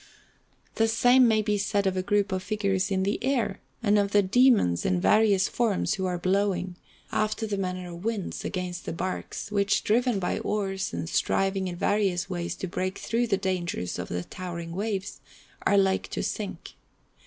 The same may be said of a group of figures in the air, and of the demons in various forms who are blowing, after the manner of winds, against the barques, which, driven by oars, and striving in various ways to break through the dangers of the towering waves, are like to sink.